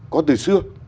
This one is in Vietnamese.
có từ xưa